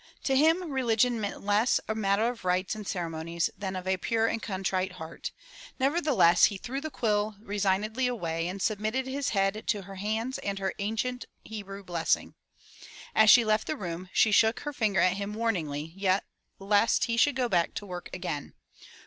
To him religion meant less a matter of rites and ceremonies than of a pure and contrite heart, nevertheless he threw the quill resignedly away and sub mitted his head to her hands and her ancient Hebrew blessing. As she left the room, she shook her finger at him warningly lest he should go back to work again.